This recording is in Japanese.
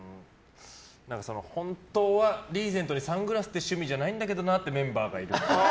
本当はリーゼントにサングラスって趣味じゃないんだけどなって